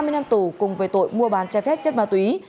hai mươi năm tù cùng về tội mua bán trái phép chất ma túy